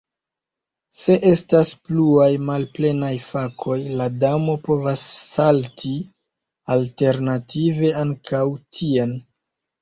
Se estas pluaj malplenaj fakoj, la damo povas salti alternative ankaŭ tien.